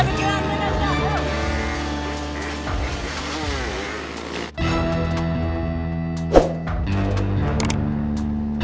kita pergi ke luar